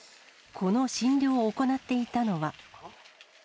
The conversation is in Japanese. この診療を行っていたのは。